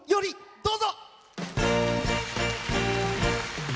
どうぞ。